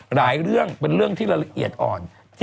เรื่องเป็นเรื่องที่ละเอียดอ่อน